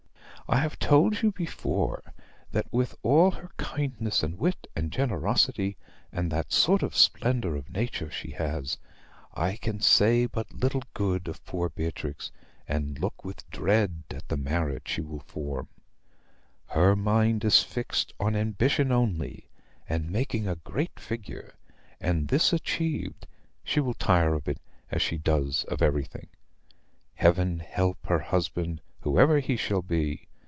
I have told you before, that with all her kindness, and wit, and generosity, and that sort of splendor of nature she has, I can say but little good of poor Beatrix, and look with dread at the marriage she will form. Her mind is fixed on ambition only, and making a great figure; and, this achieved, she will tire of it as she does of everything. Heaven help her husband, whoever he shall be!